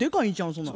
そんなの。